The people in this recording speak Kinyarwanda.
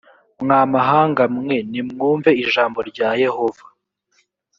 mwa mahanga mwe nimwumve ijambo rya yehova